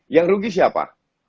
yang rugi siapa